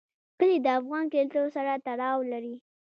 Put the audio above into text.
کلي د افغان کلتور سره تړاو لري.